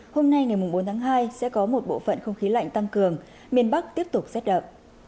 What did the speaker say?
hôm nay ngày bốn tháng hai sẽ có một bộ phận không khí lạnh tăng cường miền bắc tiếp tục rét đậm